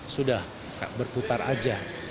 sudah berputar aja